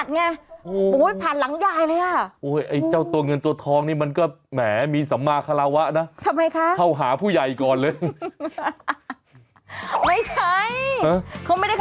เค้ากำลังนั่งดูทีวีกันอยู่ดีนี่